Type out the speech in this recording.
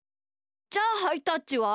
じゃあハイタッチは？